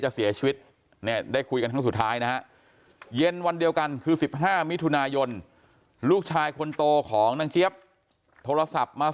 เสียชีวิตเนี่ยได้คุยกันครั้งสุดท้ายนะฮะเย็นวันเดียวกันคือ๑๕มิถุนายนลูกชายคนโตของนางเจี๊ยบโทรศัพท์มา